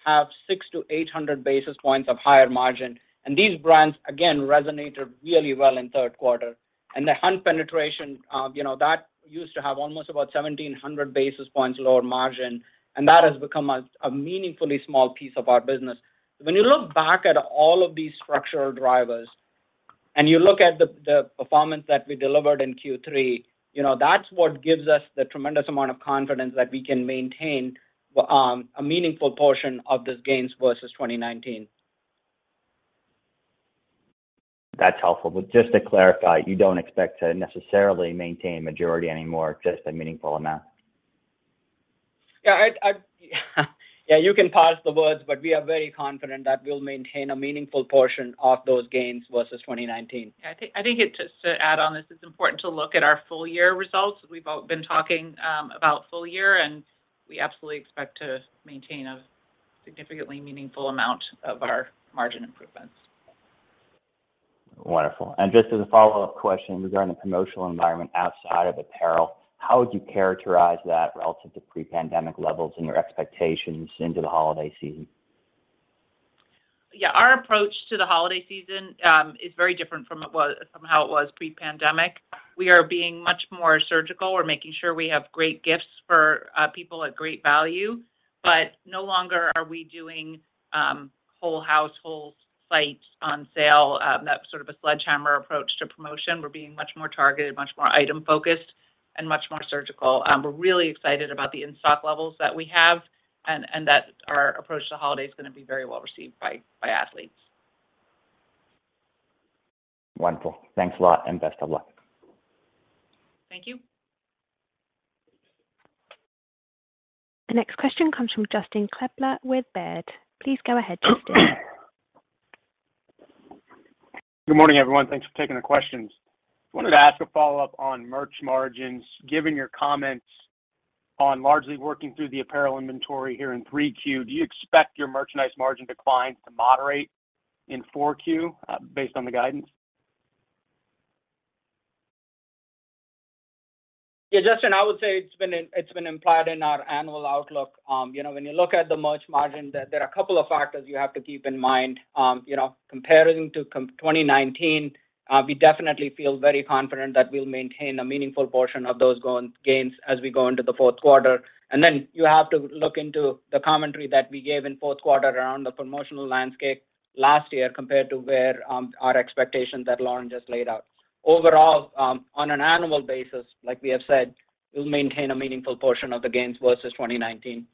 [SPEAKER 4] have 600-800 basis points of higher margin. These brands again resonated really well in third quarter. The Hunt penetration, you know, that used to have almost about 1,700 basis points lower margin, and that has become a meaningfully small piece of our business. When you look back at all of these structural drivers and you look at the performance that we delivered in Q3, you know, that's what gives us the tremendous amount of confidence that we can maintain a meaningful portion of those gains versus 2019.
[SPEAKER 19] That's helpful. Just to clarify, you don't expect to necessarily maintain majority anymore, just a meaningful amount?
[SPEAKER 4] Yeah, you can parse the words, we are very confident that we'll maintain a meaningful portion of those gains versus 2019.
[SPEAKER 3] I think, just to add on this, it's important to look at our full year results. We've all been talking about full year, we absolutely expect to maintain a significantly meaningful amount of our margin improvements.
[SPEAKER 19] Wonderful. Just as a follow-up question regarding the promotional environment outside of apparel, how would you characterize that relative to pre-pandemic levels and your expectations into the holiday season?
[SPEAKER 3] Yeah, our approach to the holiday season is very different from how it was pre-pandemic. We are being much more surgical. We're making sure we have great gifts for people at great value. No longer are we doing whole household sites on sale, that sort of a sledgehammer approach to promotion. We're being much more targeted, much more item-focused and much more surgical. We're really excited about the in-stock levels that we have and that our approach to holidays is gonna be very well received by athletes.
[SPEAKER 19] Wonderful. Thanks a lot, and best of luck.
[SPEAKER 4] Thank you.
[SPEAKER 1] The next question comes from Justin Kleber with Baird. Please go ahead, Justin.
[SPEAKER 20] Good morning, everyone. Thanks for taking the questions. Wanted to ask a follow-up on merch margins. Given your comments on largely working through the apparel inventory here in 3Q, do you expect your merchandise margin decline to moderate in 4Q, based on the guidance?
[SPEAKER 4] Yeah, Justin, I would say it's been implied in our annual outlook. You know, when you look at the merch margin, there are a couple of factors you have to keep in mind. You know, comparing to 2019, we definitely feel very confident that we'll maintain a meaningful portion of those gains as we go into the fourth quarter. You have to look into the commentary that we gave in fourth quarter around the promotional landscape last year compared to where our expectations that Lauren just laid out. Overall, on an annual basis, like we have said, we'll maintain a meaningful portion of the gains versus 2019.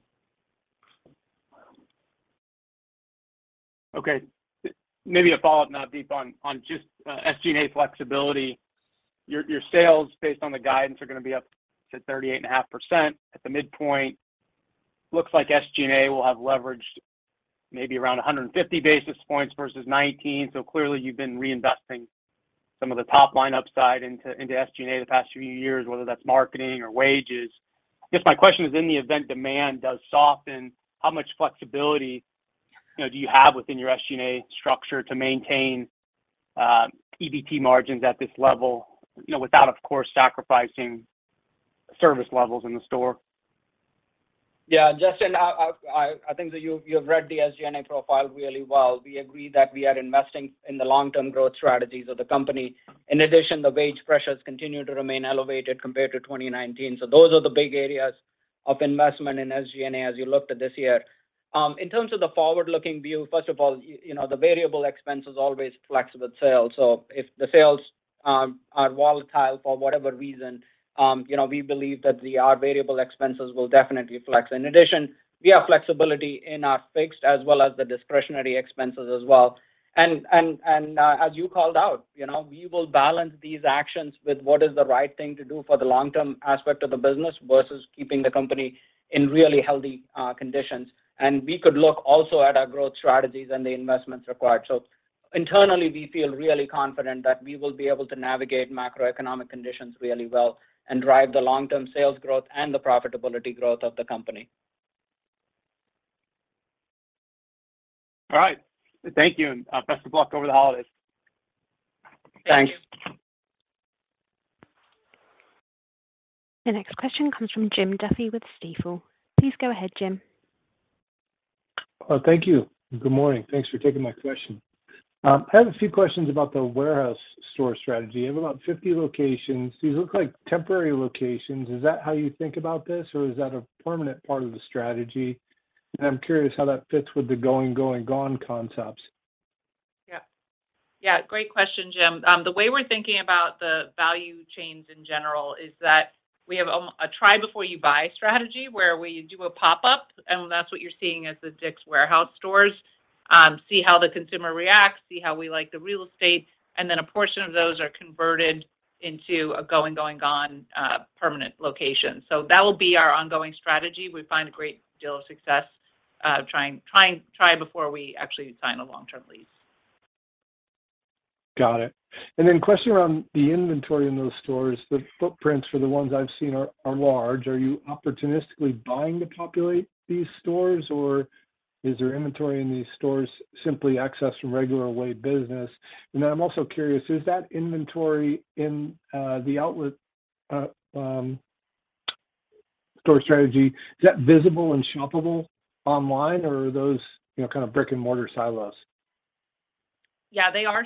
[SPEAKER 20] Okay. Maybe a follow-up, Navdeep, on just SG&A flexibility. Your sales based on the guidance are gonna be up to 38.5% at the midpoint. Looks like SG&A will have leveraged maybe around 150 basis points versus 2019. Clearly you've been reinvesting some of the top-line upside into SG&A the past few years, whether that's marketing or wages. I guess my question is, in the event demand does soften, how much flexibility, you know, do you have within your SG&A structure to maintain EBT margins at this level, you know, without of course sacrificing service levels in the store?
[SPEAKER 4] Yeah, Justin, I think that you've read the SG&A profile really well. We agree that we are investing in the long-term growth strategies of the company. In addition, the wage pressures continue to remain elevated compared to 2019. Those are the big areas of investment in SG&A as you looked at this year. In terms of the forward-looking view, first of all, you know, the variable expense is always flexible to sales. If the sales are volatile for whatever reason, you know, we believe that our variable expenses will definitely flex. In addition, we have flexibility in our fixed as well as the discretionary expenses as well. As you called out, you know, we will balance these actions with what is the right thing to do for the long-term aspect of the business versus keeping the company in really healthy conditions. We could look also at our growth strategies and the investments required. Internally, we feel really confident that we will be able to navigate macroeconomic conditions really well and drive the long-term sales growth and the profitability growth of the company.
[SPEAKER 20] All right. Thank you, and best of luck over the holidays.
[SPEAKER 4] Thanks.
[SPEAKER 1] The next question comes from Jim Duffy with Stifel. Please go ahead, Jim.
[SPEAKER 21] Thank you. Good morning. Thanks for taking my question. I have a few questions about the warehouse store strategy. You have about 50 locations. These look like temporary locations. Is that how you think about this, or is that a permanent part of the strategy? I'm curious how that fits with the Going, Going, Gone! concepts.
[SPEAKER 3] Great question, Jim. The way we're thinking about the value chains in general is that we have a try before you buy strategy where we do a pop-up, and that's what you're seeing as the DICK'S warehouse stores, see how the consumer reacts, see how we like the real estate, and then a portion of those are converted into a Going, Going, Gone! permanent location. That will be our ongoing strategy. We find a great deal of success, try before we actually sign a long-term lease.
[SPEAKER 21] Got it. A question around the inventory in those stores. The footprints for the ones I've seen are large. Are you opportunistically buying to populate these stores, or is there inventory in these stores simply excess from regular away business? I'm also curious, is that inventory in the outlet store strategy, is that visible and shoppable online, or are those, you know, kind of brick-and-mortar silos?
[SPEAKER 3] Yeah, they are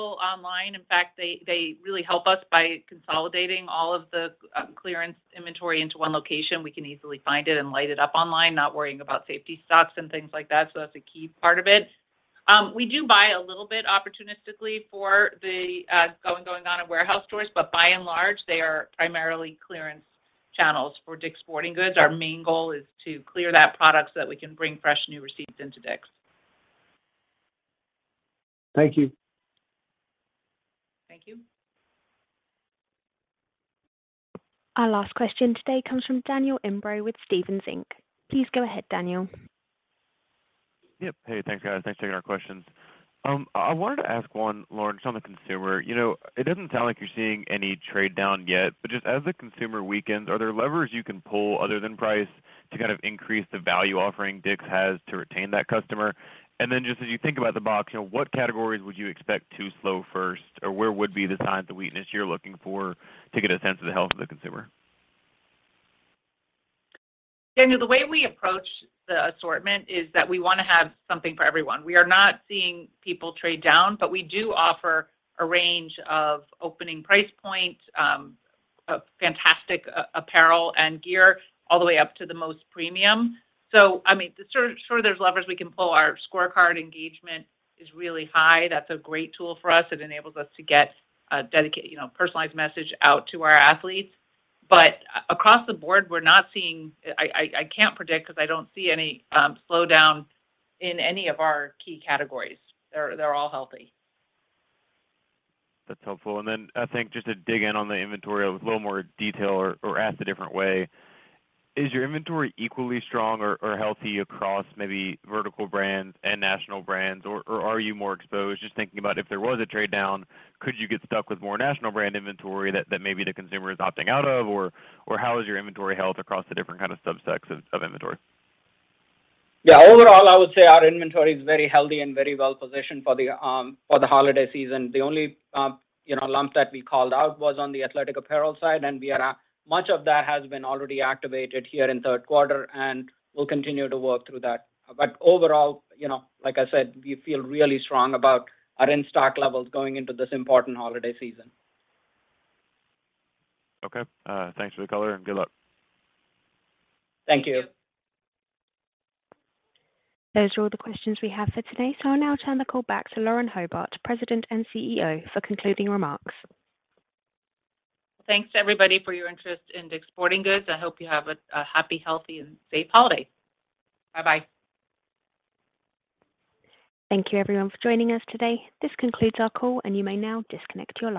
[SPEAKER 3] shoppable online. In fact, they really help us by consolidating all of the clearance inventory into one location. We can easily find it and light it up online, not worrying about safety stocks and things like that, so that's a key part of it. We do buy a little bit opportunistically for the Going, Going, Gone! and warehouse stores, but by and large, they are primarily clearance channels for DICK'S Sporting Goods. Our main goal is to clear that product so that we can bring fresh new receipts into DICK'S.
[SPEAKER 21] Thank you.
[SPEAKER 3] Thank you.
[SPEAKER 1] Our last question today comes from Daniel Imbro with Stephens Inc. Please go ahead, Daniel.
[SPEAKER 22] Yep. Hey, thanks, guys. Thanks for taking our questions. I wanted to ask one, Lauren, just on the consumer. You know, it doesn't sound like you're seeing any trade down yet, but just as the consumer weakens, are there levers you can pull other than price to kind of increase the value offering DICK'S has to retain that customer? Just as you think about the box, you know, what categories would you expect to slow first, or where would be the signs of weakness you're looking for to get a sense of the health of the consumer?
[SPEAKER 3] Daniel, the way we approach the assortment is that we wanna have something for everyone. We are not seeing people trade down, but we do offer a range of opening price point of fantastic apparel and gear all the way up to the most premium. I mean, sure there's levers we can pull. Our ScoreCard engagement is really high. That's a great tool for us. It enables us to get a personalized message out to our athletes. Across the board, we're not seeing. I can't predict because I don't see any slowdown in any of our key categories. They're all healthy.
[SPEAKER 22] That's helpful. I think just to dig in on the inventory a little more detail or ask a different way, is your inventory equally strong or healthy across maybe vertical brands and national brands or are you more exposed? Just thinking about if there was a trade down, could you get stuck with more national brand inventory that maybe the consumer is opting out of or how is your inventory health across the different kind of subsets of inventory?
[SPEAKER 4] Yeah. Overall, I would say our inventory is very healthy and very well positioned for the holiday season. The only, you know, lump that we called out was on the athletic apparel side. Much of that has been already activated here in third quarter, and we'll continue to work through that. Overall, you know, like I said, we feel really strong about our in-stock levels going into this important holiday season.
[SPEAKER 22] Okay. Thanks for the color, and good luck.
[SPEAKER 4] Thank you.
[SPEAKER 1] Those are all the questions we have for today. I'll now turn the call back to Lauren Hobart, President and CEO, for concluding remarks.
[SPEAKER 3] Thanks, everybody, for your interest in DICK'S Sporting Goods. I hope you have a happy, healthy, and safe holiday. Bye-bye.
[SPEAKER 1] Thank you, everyone, for joining us today. This concludes our call, and you may now disconnect your line.